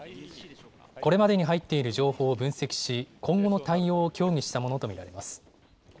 これまでに入っている情報を分析し、今後の対応を協議したものと見られます。